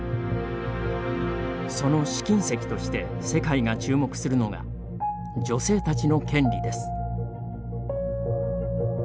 その試金石として世界が注目するのが女性たちの権利です。